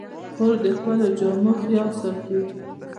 خور د خپلو جامو خیال ساتي.